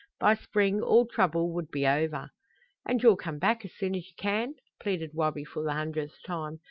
By spring all trouble would be over. "And you'll come back as soon as you can?" pleaded Wabi for the hundredth time.